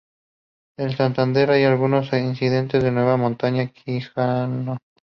En Santander hay algunos incidentes en Nueva Montaña-Quijano.